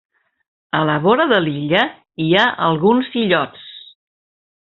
A la vora de l'illa hi ha alguns illots.